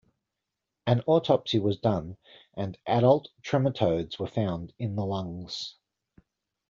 An autopsy was done and adult trematodes were found in the lungs.